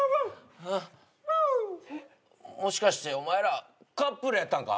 もしかしてお前らカップルやったんか？